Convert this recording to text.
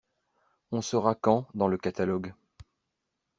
On sera quand dans le catalogue?